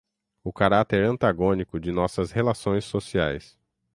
o caráter antagônico de nossas relações sociais